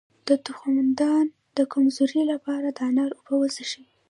د تخمدان د کمزوری لپاره د انار اوبه وڅښئ